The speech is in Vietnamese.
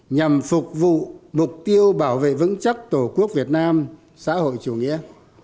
nhằm phục vụ mục tiêu bảo vệ vững chắc tổ quốc việt nam xã hội chủ nghĩa